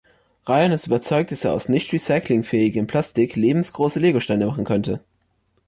Rayan ist überzeugt, dass er aus nicht-recyclingfähigem Plastik lebensgroße Lego-Steine machen könnte.